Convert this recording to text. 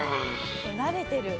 なれてる。